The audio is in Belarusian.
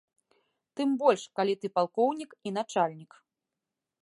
Тым больш, калі ты палкоўнік і начальнік.